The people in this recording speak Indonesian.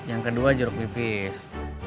yang kedua jeruk nipis